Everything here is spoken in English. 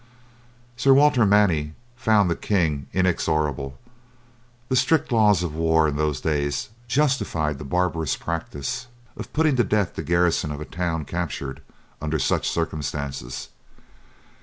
Sir Walter Manny found the king inexorable. The strict laws of war in those days justified the barbarous practise of putting to death the garrison of a town captured under such circumstances.